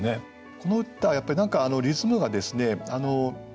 この歌はやっぱり何かリズムがですね「